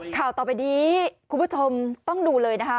ข่าวต่อไปนี้คุณผู้ชมต้องดูเลยนะคะ